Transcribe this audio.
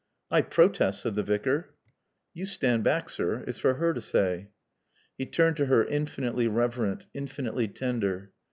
"I protest," said the Vicar. "Yo' stond baack, sir. It's for 'er t' saay." He turned to her, infinitely reverent, infinitely tender.